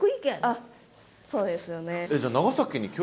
あっそうですよね。